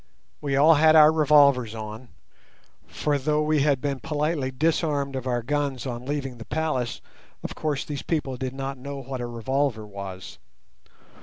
We all had our revolvers on—for though we had been politely disarmed of our guns on leaving the palace, of course these people did not know what a revolver was.